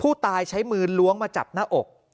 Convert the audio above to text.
ผู้ตายใช้มือล้วงมาจับหน้าอก